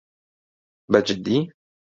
بەجددی؟